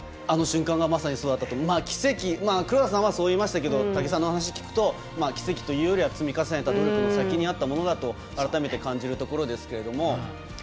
奇跡、黒田さんはそう言いましたけど武井さんのお話を聞くと奇跡というよりは積み重ねた努力の先にあったものだと改めて感じるものですけど。